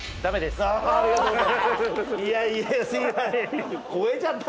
いやいや。